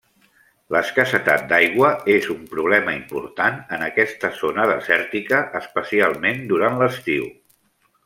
L'escassetat d'aigua és un problema important en aquesta zona desèrtica, especialment durant l'estiu.